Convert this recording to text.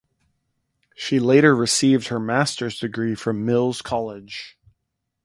She later received her master's degree from Mills College.